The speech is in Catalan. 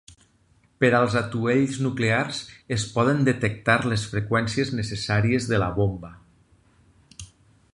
Per als atuells nuclears, es poden detectar les freqüències necessàries de la bomba.